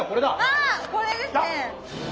あこれですね！